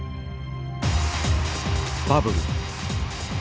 バブル。